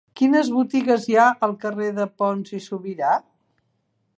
Quines botigues hi ha al carrer de Pons i Subirà?